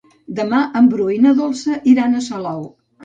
Demà en Bru i na Dolça iran a Salou.